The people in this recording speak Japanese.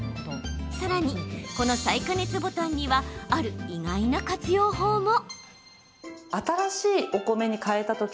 さらに、この再加熱ボタンにはある意外な活用法も。